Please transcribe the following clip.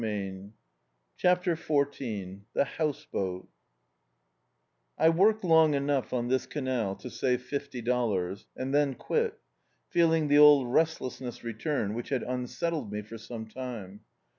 db, Google CHAPTER XIV THE HOUSE BOAT 1 WORKED long enough mi this canal to save fifty dollars, and then quit, feeling the old restlessness return, which had unsettled me for S(Mne time.